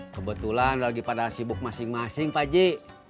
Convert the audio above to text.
kebetulan lagi pada sibuk masing masing pak ji